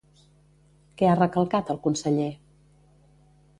Què ha recalcat el conseller?